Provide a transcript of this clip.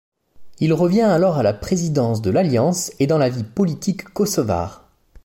Il revient alors à la présidence de l'Alliance et dans la vie politique kosovare.